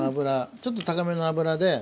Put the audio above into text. ちょっと高めの油で５６分